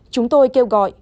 chúng tôi kêu gọi